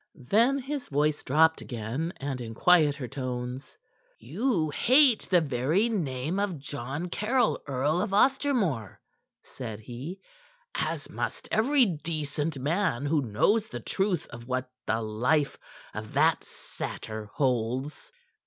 Then his voice dropped again, and in quieter tones "You hate the very name of John Caryll, Earl of Ostermore," said he, "as must every decent man who knows the truth of what the life of that satyr holds.